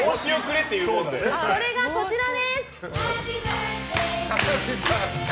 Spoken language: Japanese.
それが、こちらです！